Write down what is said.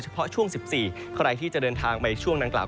เพราะช่วง๑๔ใครที่จะเดินทางไปช่วงดังกล่า